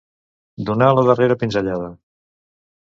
Donar la darrera pinzellada.